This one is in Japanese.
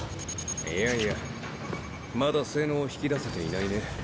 いやいやまだ性能を引き出せていないね。